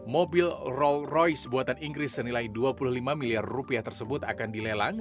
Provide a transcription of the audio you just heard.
mobil rolls royce buatan inggris senilai dua puluh lima miliar rupiah tersebut akan dilelang